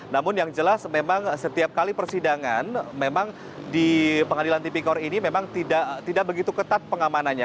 namun yang jelas memang setiap kali persidangan memang di pengadilan tipikor ini memang tidak begitu ketat pengamanannya